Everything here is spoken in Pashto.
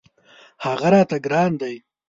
هغه راته ګران دی.